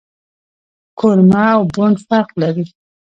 کورمه او بوڼ فرق نه لري